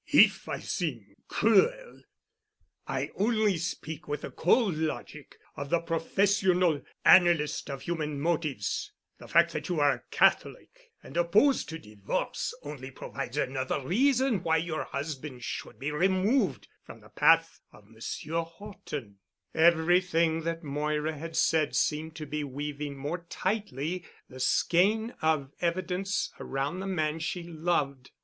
"If I seem cruel, I only speak with the cold logic of the professional analyst of human motives. The fact that you are a Catholic and opposed to divorce only provides another reason why your husband should be removed from the path of Monsieur Horton——" Everything that Moira had said seemed to be weaving more tightly the skein of evidence around the man she loved.